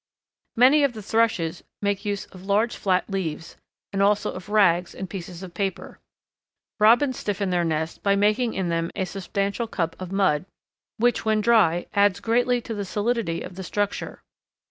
Many of the Thrushes make use of large flat leaves, and also of rags and pieces of paper. Robins stiffen their nests by making in them a substantial cup of mud, which, when dry, adds greatly to the solidity of the structure.